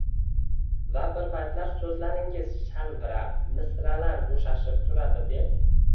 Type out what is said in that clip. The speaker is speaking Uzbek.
va bir paytlar: “So’zlaringiz shalvirab, misralar bo’shashib turadi” deb